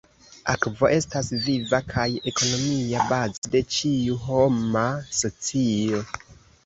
Akvo estas viva kaj ekonomia bazo de ĉiu homa socio.